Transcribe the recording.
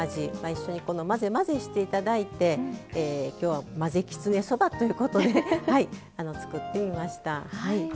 一緒に混ぜ混ぜしていただいてきょうは混ぜきつねそばということで作ってみました。